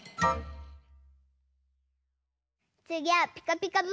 つぎは「ピカピカブ！」だよ。